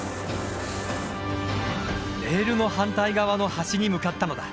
レールの反対側の端に向かったのだ。